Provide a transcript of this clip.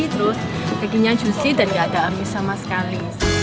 terus dagingnya juicy dan gak ada amis sama sekali